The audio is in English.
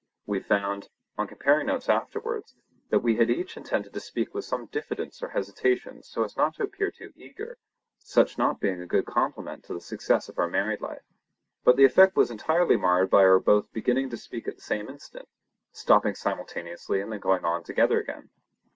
We found, on comparing notes afterwards, that we had each intended to speak with some diffidence or hesitation so as not to appear too eager, such not being a good compliment to the success of our married life; but the effect was entirely marred by our both beginning to speak at the same instant—stopping simultaneously and then going on together again.